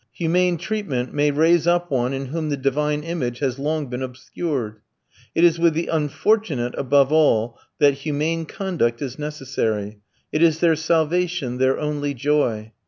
Humane treatment may raise up one in whom the divine image has long been obscured. It is with the "unfortunate," above all, that humane conduct is necessary. It is their salvation, their only joy.